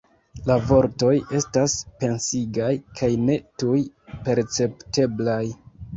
La vortoj estas pensigaj kaj ne tuj percepteblaj.